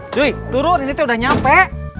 cu turun ini udah nyampe